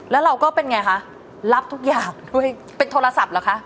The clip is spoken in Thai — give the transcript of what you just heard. แล้วเราก็เป็นไงคะรับทุกอย่างด้วยเป็นโทรศัพท์เหรอคะ